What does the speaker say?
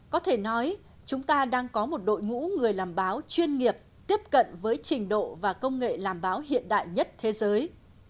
có thể nói chúng ta đang có một đội ngũ người làm báo chuyên nghiệp tiếp cận với trình độ và công nghệ làm báo hiện đại nhất thế giới